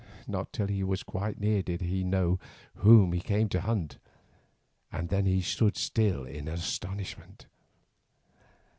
Not till he was quite near did he know whom he came to hunt, and then he stood still in astonishment.